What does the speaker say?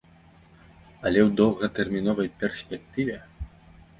Але ў доўгатэрміновай перспектыве.